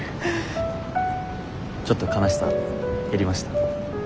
ちょっと悲しさ減りました。